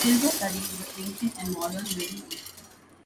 Wilber studied the ancient and modern Middle East.